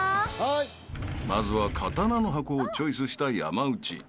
［まずは刀の箱をチョイスした山内］